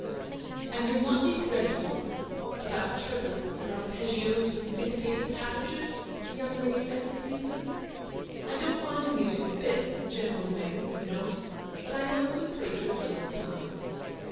"And you'll not be dreadful, about triplets and arpeggios, and cinquepated passages ?the young lady said, piteously. " I don't mind music a bit, in a general way, you know ; but I never could play triplets in time."